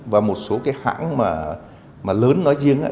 và một số cái hãng mà lớn nói riêng